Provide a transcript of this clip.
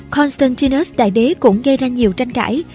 constantinus đại đế cũng gây ra nhiều tranh cãi